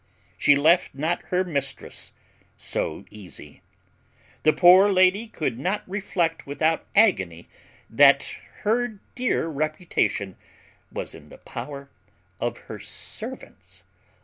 She left not her mistress so easy. The poor lady could not reflect without agony that her dear reputation was in the power of her servants.